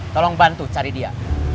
tolong bantu cari dia